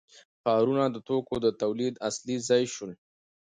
ښارونه د توکو د تولید اصلي ځای شول.